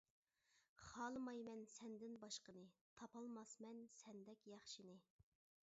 خالىمايمەن سەندىن باشقىنى، تاپالماسمەن سەندەك ياخشىنى.